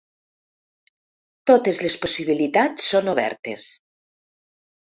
Totes les possibilitats són obertes.